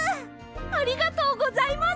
ありがとうございます！